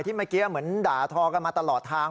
เมื่อกี้เหมือนด่าทอกันมาตลอดทาง